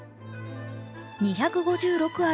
２５６ある